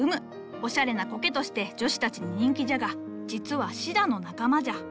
おしゃれな苔として女子たちに人気じゃが実はシダの仲間じゃ。